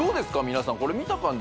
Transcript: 皆さんこれ見た感じ